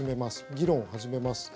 議論を始めます。